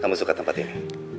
kamu suka tempat ini